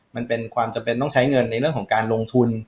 มันเป็นความจำเป็นต้องใช้เงินในเรื่องของการลงทุน